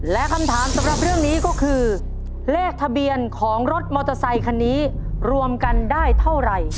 และคำถามสำหรับเรื่องนี้ก็คือเลขทะเบียนของรถมอเตอร์ไซคันนี้รวมกันได้เท่าไหร่